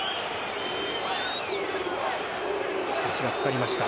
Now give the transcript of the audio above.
足がかかりました。